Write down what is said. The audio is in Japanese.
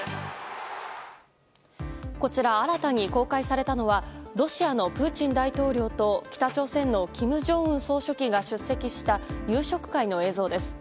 こちら、新たに公開されたのはロシアのプーチン大統領と北朝鮮の金正恩総書記が出席した夕食会の映像です。